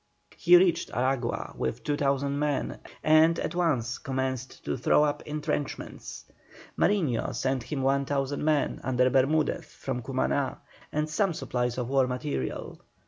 He reached Aragua with 2,000 men and at once commenced to throw up entrenchments. Mariño sent him 1,000 men under Bermudez from Cumaná, and some supplies of war material.